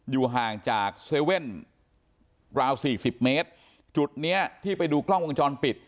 อยู่ห่างจากเซเว่นราวสี่สิบเมตรจุดเนี้ยที่ไปดูกล้องวงจรปิด